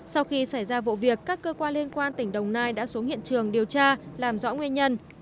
sau khi xảy ra vụ việc các cơ quan liên quan tỉnh đồng nai đã xuống hiện trường điều tra làm rõ nguyên nhân